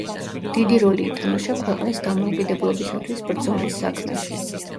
დიდი როლი ითამაშა ქვეყნის დამოუკიდებლობისათვის ბრძოლის საქმეში.